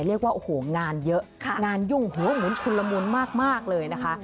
เรียกว่าโอ้โหงานเยอะงานยุ่งหัวเหมือนชุนละมุนมากเลยนะคะ